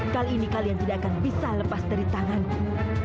kali ini kalian tidak akan bisa lepas dari tanganmu